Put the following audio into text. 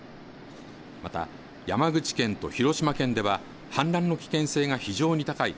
また山口県と広島県では氾濫の危険性が非常に高い